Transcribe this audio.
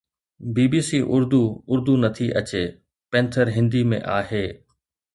بي B C Urdu Urdu نٿي اچي، پينٿر هندي ۾ آهي